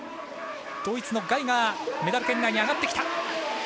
ドイツのガイガーメダル圏内に上がってきた。